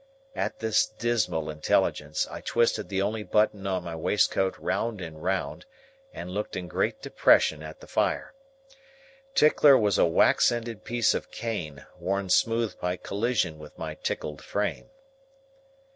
At this dismal intelligence, I twisted the only button on my waistcoat round and round, and looked in great depression at the fire. Tickler was a wax ended piece of cane, worn smooth by collision with my tickled frame.